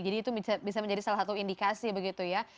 jadi itu bisa menjadi salah satu indikasi begitu ya